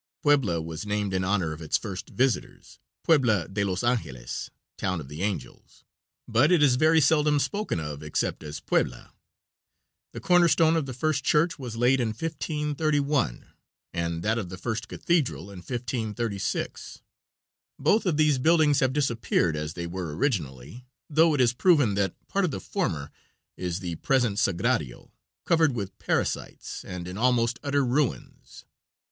Puebla was named in honor of its first visitors, Puebla de los Angles (Town of the Angels), but it is very seldom spoken of except as Puebla. The corner stone of the first church was laid in 1531, and that of the first cathedral in 1536. Both of these buildings have disappeared, as they were originally, though it is proven that part of the former is the present Sagrario, covered with parasites and in almost utter ruins.